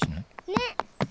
ねっ。